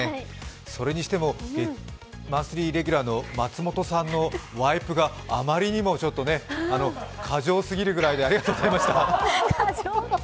それにしてもマンスリーレギュラーの松本さんのワイプが、過剰すぎるぐらいで、ありがとうございました。